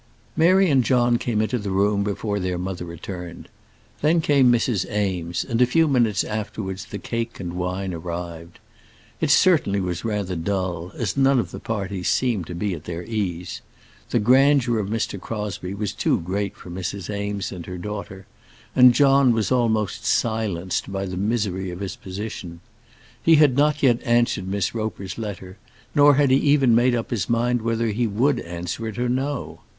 Mary and John came into the room before their mother returned; then came Mrs. Eames, and a few minutes afterwards the cake and wine arrived. It certainly was rather dull, as none of the party seemed to be at their ease. The grandeur of Mr. Crosbie was too great for Mrs. Eames and her daughter, and John was almost silenced by the misery of his position. He had not yet answered Miss Roper's letter, nor had he even made up his mind whether he would answer it or no.